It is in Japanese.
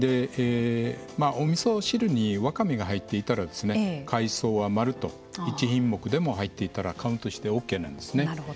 おみそ汁にわかめが入っていたら海藻は丸と１品目でも入っていたらカウントしてオーケーなんですね。